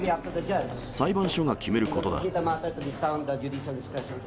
裁判所が決めることだ。